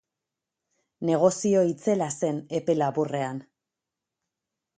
Negozio itzela zen epe laburrean.